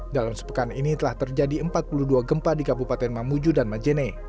dalam sepekan ini telah terjadi empat puluh dua gempa di kabupaten mamuju dan majene